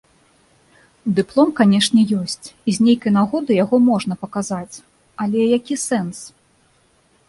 Дыплом, канешне, ёсць, і з нейкай нагоды яго можна паказаць, але які сэнс?